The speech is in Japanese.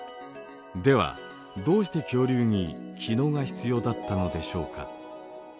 ではどうして恐竜に気のうが必要だったのでしょうか。